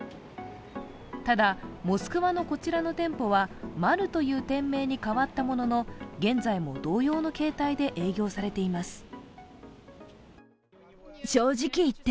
ただ、モスクワのこちらの店舗はマルという店名に変わったものの現在も同様の形態で営業されています。